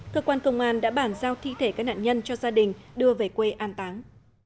cơ quan công an đã bản giao thi thể các nạn nhân cho gia đình đưa về quê an táng